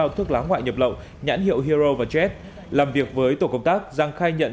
một bốn trăm chín mươi ba thuốc lá ngoại nhập lậu nhãn hiệu hero và jet làm việc với tổ công tác giang khai nhận